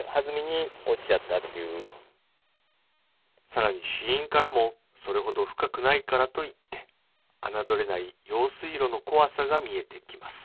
さらに死因からもそれほど深くないからといって侮れない用水路の怖さが見えてきます